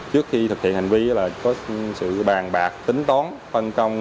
trước khi thực hiện hành vi là có sự bàn bạc tính tón phân công